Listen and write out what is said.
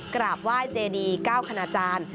กราบไหว้เจดีเก้าขนาจารย์